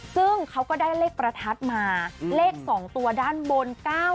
ซึ่งเขาก็ได้เลขประทัดมาเลข๒ตัวด้านบน๙๑